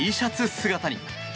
姿に。